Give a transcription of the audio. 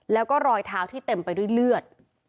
แล้วก็รอยเท้าที่เต็มไปด้วยเลือด